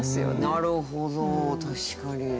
なるほど確かに。